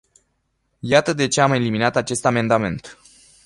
Iată de ce am eliminat acest amendament.